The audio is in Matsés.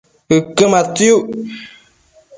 ëquë matsiuc